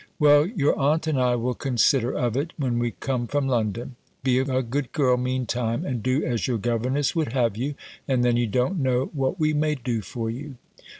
"Well, your aunt and I will consider of it, when we come from London. Be a good girl, meantime, and do as your governess would have you, and then you don't know what we may do for you."